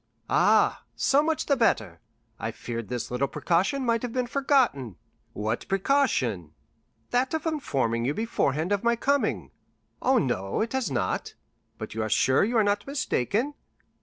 "Ah, so much the better, I feared this little precaution might have been forgotten." 30119m "What precaution?" "That of informing you beforehand of my coming." "Oh, no, it has not." "But you are sure you are not mistaken."